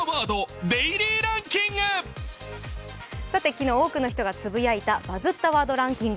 昨日、多くの人がつぶやいた「バズったワードランキング」。